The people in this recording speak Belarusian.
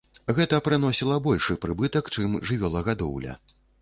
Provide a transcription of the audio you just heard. Гэта прыносіла большы прыбытак, чым жывёлагадоўля.